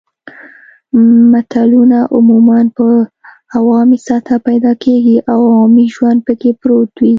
متلونه عموماً په عوامي سطحه پیدا کیږي او عوامي ژوند پکې پروت وي